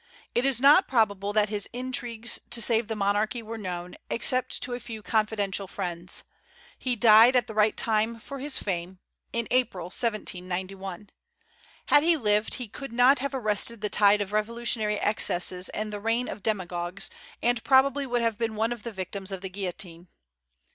It is not probable that his intrigues to save the monarchy were known, except to a few confidential friends. He died at the right time for his fame, in April, 1791. Had he lived, he could not have arrested the tide of revolutionary excesses and the reign of demagogues, and probably would have been one of the victims of the guillotine.